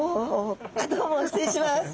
あっどうも失礼します。